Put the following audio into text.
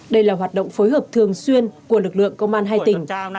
đây là hoạt động phối hợp thường xuyên của lực lượng công an hai tỉnh